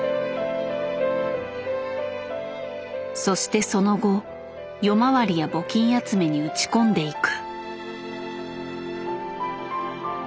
そしてその後夜回りや募金集めに打ち込んでいく。